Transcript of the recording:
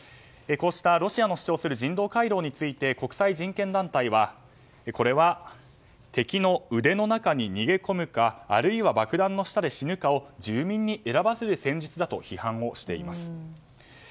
こうしたロシアの主張する人道回廊について国際人権団体はこれは敵の腕の中に逃げ込むかあるいは爆弾の下で死ぬかを住民に選ばせる戦術だと批判しています。